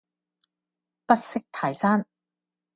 不識泰山